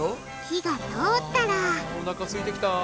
火が通ったらあおなかすいてきた。